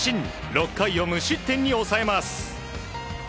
６回を無失点に抑えます。